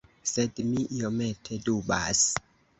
Sed mi iomete dubas.